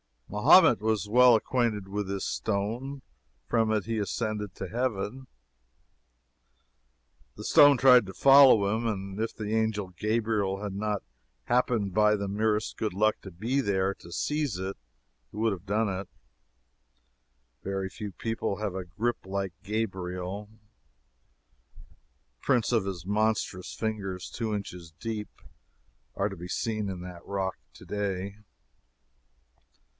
Mahomet was well acquainted with this stone. From it he ascended to heaven. The stone tried to follow him, and if the angel Gabriel had not happened by the merest good luck to be there to seize it, it would have done it. Very few people have a grip like Gabriel the prints of his monstrous fingers, two inches deep, are to be seen in that rock to day.